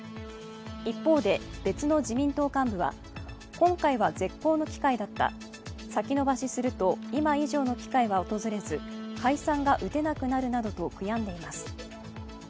一方で、別の自民党幹部は今回は絶好の機会だった、先延ばしすると、今以上の機会は訪れず、解散が打てなくなるなどと悔やんでいます。